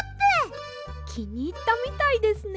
きにいったみたいですね。